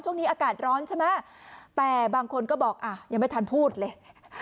ช่วงนี้อากาศร้อนใช่ไหมแต่บางคนก็บอกอ่ะยังไม่ทันพูดเลย